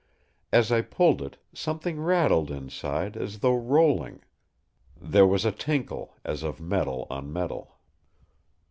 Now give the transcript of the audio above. As I pulled it, something rattled inside as though rolling; there was a tinkle as of metal on metal.